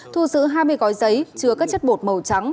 thu giữ hai mươi gói giấy chứa các chất bột màu trắng